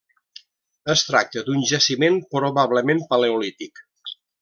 Es tracta d’un jaciment probablement paleolític.